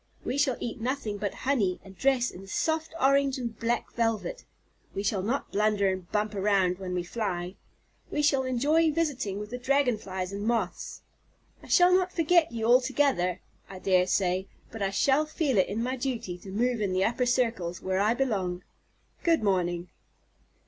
We shall eat nothing but honey, and dress in soft orange and black velvet. We shall not blunder and bump around when we fly. We shall enjoy visiting with the Dragon flies and Moths. I shall not forget you altogether, I dare say, but I shall feel it my duty to move in the upper circles, where I belong. Good morning."